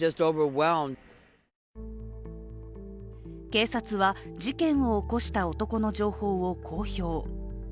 警察は事件を起こした男の情報を公表。